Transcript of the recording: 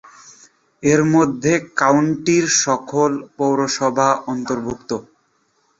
এর মধ্যে কাউন্টির সকল পৌরসভা অন্তর্ভুক্ত।